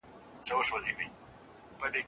هره لحظه ثبت ده.